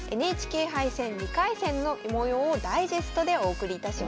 ＮＨＫ杯戦２回戦の模様をダイジェストでお送りいたします。